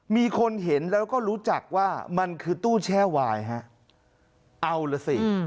มีคนเห็นแล้วก็รู้จักว่ามันคือตู้แช่วายฮะเอาล่ะสิ